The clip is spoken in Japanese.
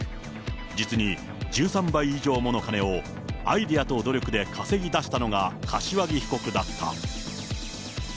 実に１３倍以上もの金を、アイデアと努力で稼ぎ出したのが柏木被告だった。